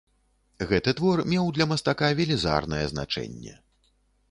Гэты твор меў для мастака велізарнае значэнне.